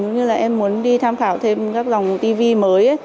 như là em muốn đi tham khảo thêm các dòng tv mới